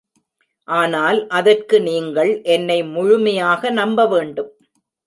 ஆனால் அதற்கு நீங்கள் என்னை முழுமையாக நம்ப வேண்டும்.